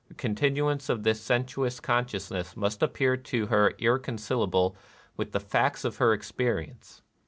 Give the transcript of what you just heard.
... A continuance of this sensuous consciousness must appear to her irreconcil able with the facts of her experience.